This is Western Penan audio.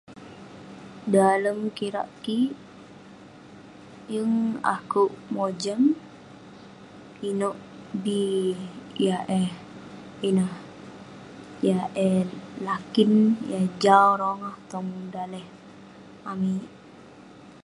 Dalem kirak kik, yeng akouk mojam inouk bi yah eh ineh, yah eh lakin, yah jau rongah tong daleh amik.